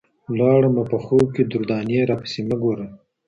ولاړمه، په خوب کي دُردانې راپسي مه ګوره